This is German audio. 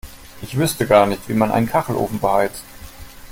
Ich wüsste gar nicht, wie man einen Kachelofen beheizt.